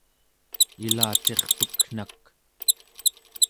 ilacirpek'nak!